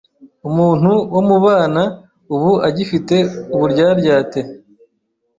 Umuntu wo mu mubana ubu agifite uburyaryate